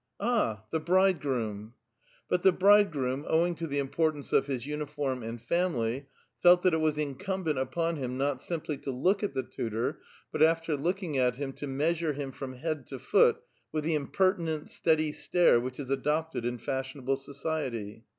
" Ah, the bi idegroom !" But the bridegroom, owing to the importance of his uni A VITAL QUESTION'. 63 form and family, felt that it was incumbent upon bim not simply to look at the tutor, but after looking at bim, to measure bim from bead to foot with the impertinent steady ' stare which is adopted in fashionable society.